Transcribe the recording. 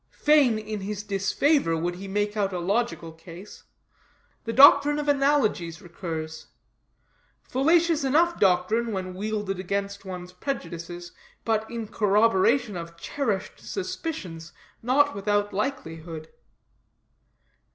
Fain, in his disfavor, would he make out a logical case. The doctrine of analogies recurs. Fallacious enough doctrine when wielded against one's prejudices, but in corroboration of cherished suspicions not without likelihood.